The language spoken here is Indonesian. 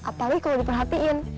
apalagi kalau diperhatiin